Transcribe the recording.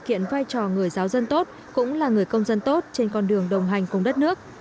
kiện vai trò người giáo dân tốt cũng là người công dân tốt trên con đường đồng hành cùng đất nước